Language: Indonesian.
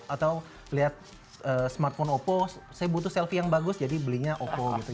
atau lihat smartphone oppo saya butuh selfie yang bagus jadi belinya oppo gitu